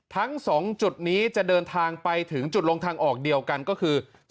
ทั้ง๒จุดนี้จะเดินทางไปถึงจุดลงทางออกเดียวกันก็คือ